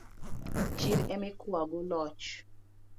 Chir emikawogo loch